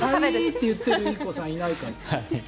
って言ってるインコさんがいないか。